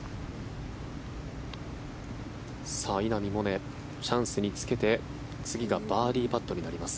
稲見萌寧チャンスにつけて次がバーディーパットになります。